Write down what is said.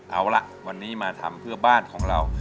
เอาละวันนี้มาทำเพื่อบ้านของเรา